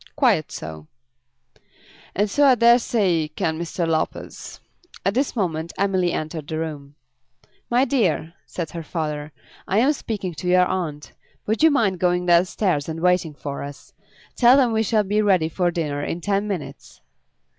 "Quite so." "And so I dare say can Mr. Lopez." At this moment Emily entered the room. "My dear," said her father, "I am speaking to your aunt. Would you mind going downstairs and waiting for us? Tell them we shall be ready for dinner in ten minutes."